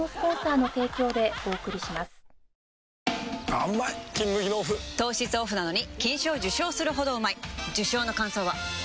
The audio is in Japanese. あーうまい「金麦」のオフ糖質オフなのに金賞受賞するほどうまい受賞の感想は？